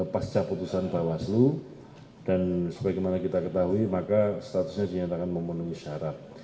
pasca putusan bawah selu dan seperti mana kita ketahui maka statusnya dinyatakan memenuhi syarat